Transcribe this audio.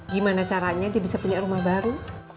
gimana caranya dia bisa punya rumah baru